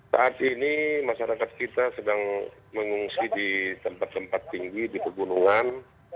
saat ini masyarakat kita sedang mengungsi di tempat tempat tinggi di pegunungan